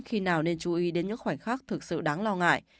khi nào nên chú ý đến những khoảnh khắc thực sự đáng lo ngại